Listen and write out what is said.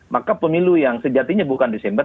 maka pemilu yang sejatinya bukan desember